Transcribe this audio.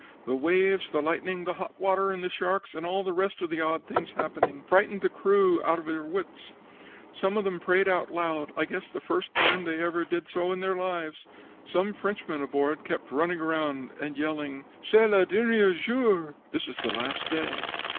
The waves, the lightning, the hot water and the sharks, and all the rest of the odd things happening, frightened the crew out of their wits. Some of them prayed out loud I guess the first time they ever did in their lives. Some Frenchmen aboard kept running around and yelling, 'Cest le dernier jour!' (This is the last day.)